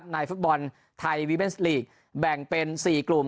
ในฟุตบอลทีย์บิเบ่นศ์ลีกแบ่งเป็น๔กลุ่ม